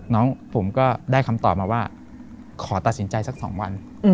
น้องผมก็ได้คำตอบมาว่าขอตัดสินใจสัก๒วัน